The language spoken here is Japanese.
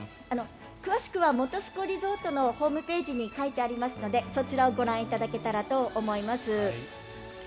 詳しくは本栖湖リゾートのホームページに書いてありますのでそちらをご覧いただけたらと思います。